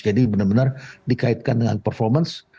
jadi benar benar dikaitkan dengan performance